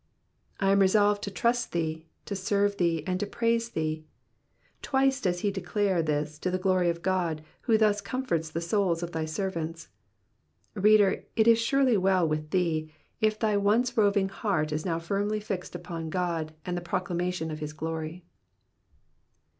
"*^ I am resolved to trust thee, to serve thee, and to praise thee. Twice does he declare this to the glory of God who thus comforts the souls of his servants. Reader, it is surely well with thee, if thy once roving heart is now firmly fixed upon God and the proclamation of his glory.